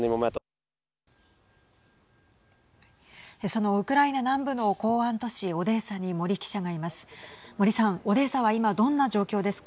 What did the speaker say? そのウクライナ南部の港湾都市オデーサに森記者がいます。